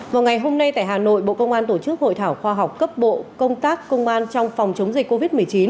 vào ngày hôm nay tại hà nội bộ công an tổ chức hội thảo khoa học cấp bộ công tác công an trong phòng chống dịch covid một mươi chín